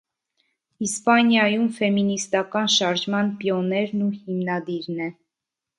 Իսպանիայում ֆեմինիստական շարժման պիոներն ու հիմնադիրն է։